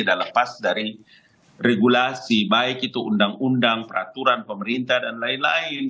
tidak lepas dari regulasi baik itu undang undang peraturan pemerintah dan lain lain